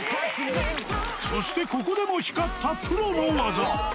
そしてここでも光ったプロの技。